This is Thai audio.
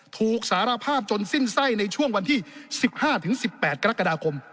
สารภาพจนสิ้นไส้ในช่วงวันที่๑๕๑๘กรกฎาคม